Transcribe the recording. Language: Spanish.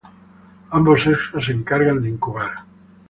Ambos sexos se encargan de incubar.